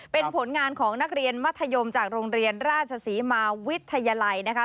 เป็นผลงานของนักเรียนมัธยมจากโรงเรียนราชศรีมาวิทยาลัยนะคะ